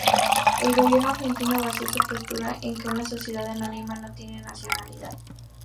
El gobierno argentino basó su postura en que una sociedad anónima no tiene nacionalidad.